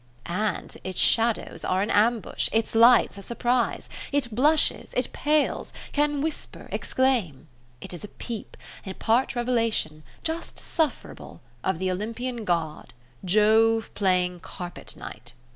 And its shadows are an ambush, its lights a surprise. It blushes, it pales, can whisper, exclaim. It is a peep, a part revelation, just sufferable, of the Olympian god Jove playing carpet knight.